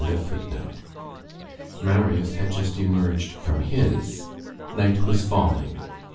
26 Marius had just emerged from his: night was falling.